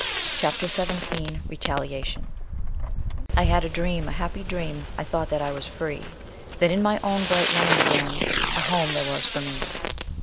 CHAPTER XVII RETALIATION "I had a dream, a happy dream; I thought that I was free: That in my own bright land again A home there was for me."